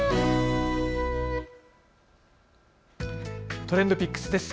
ＴｒｅｎｄＰｉｃｋｓです。